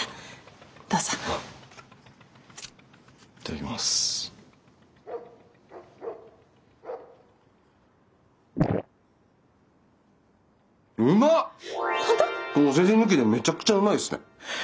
お世辞抜きでめちゃくちゃうまいですね。